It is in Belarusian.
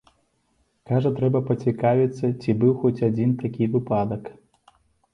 Кажа, трэба пацікавіцца, ці быў хоць адзін такі выпадак.